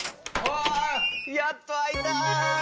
やっとあえた！